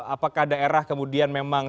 apakah daerah kemudian memang